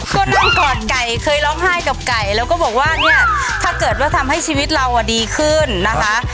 ก็นั่งกอดไก่เคยร้องไห้กับไก่แล้วก็บอกว่าเนี่ยถ้าเกิดว่าทำให้ชีวิตเราอ่ะดีขึ้นนะคะ